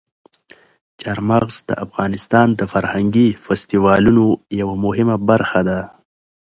چار مغز د افغانستان د فرهنګي فستیوالونو یوه مهمه برخه ده.